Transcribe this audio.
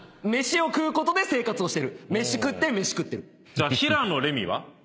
じゃあ平野レミは？